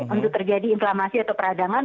untuk terjadi inflamasi atau peradangan